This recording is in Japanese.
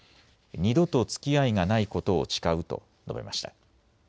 ２度とつきあいがないことを誓うと述べました。